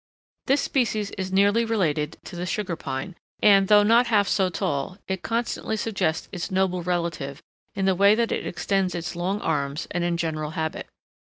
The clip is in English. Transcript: This species is nearly related to the Sugar Pine, and, though not half so tall, it constantly suggests its noble relative in the way that it extends its long arms and in general habit.